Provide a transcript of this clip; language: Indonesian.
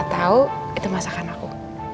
atau itu masakan aku